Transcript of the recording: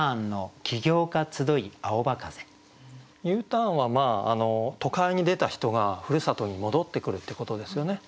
Ｕターンは都会に出た人がふるさとに戻ってくるってことですよね。